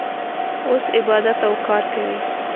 اوس عبادت او کار کوي.